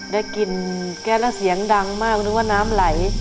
ได้กลิ่นแก๊สแล้วเสียงดังมากนึกว่าน้ำไหล